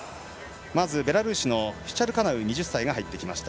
まずベラルーシのシチャルカナウ２０歳が入ってきました。